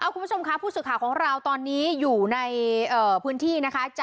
คุณผู้ชมค่ะผู้สื่อข่าวของเราตอนนี้อยู่ในพื้นที่นะคะ